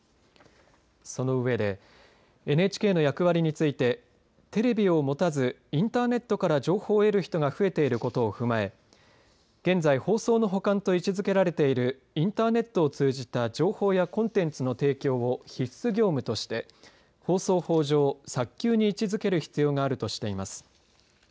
その上でＮＨＫの役割についてテレビを持たずインターネットから情報を得る人が増えていることを踏まえ現在、放送の補完と位置づけられているインターネットを通じた情報やコンテンツの提供を必須業務として放送法上、早急に位置づける必要があるとしています。